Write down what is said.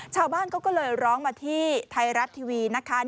ชาวบ้านเขาก็เลยร้องมาที่ไทยรัฐทีวีนะคะ